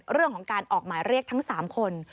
เรื่องของการออกหมายเรียกทั้ง๓คน